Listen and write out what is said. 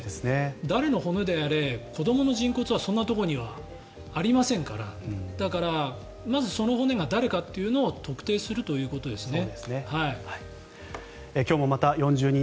誰の骨であれ子どもの人骨はそんなところにはありませんからだから、まずその骨が誰かというのを特定するということですね。